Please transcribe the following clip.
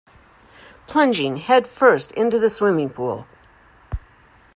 Plunging headfirst into the swimming pool.